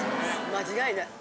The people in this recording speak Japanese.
間違いない。